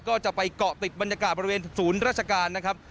ก็จะไปเกาะติดบรรยากาศบริเวณศูนย์ราชการนะครับ